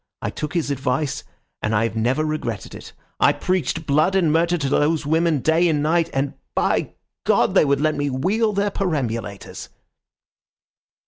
I took his advice, and have never regretted it. I preached blood and murder to those women day and night, and—by God!—they would let me wheel their perambulators."